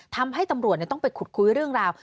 ทำให้ตำรวจต้องไปขุดคุยเรื่องราว